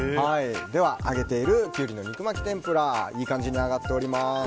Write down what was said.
揚げているキュウリの肉巻き天ぷらいい感じに揚がっております。